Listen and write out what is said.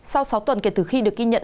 sau sáu tuần kể từ khi được ghi nhận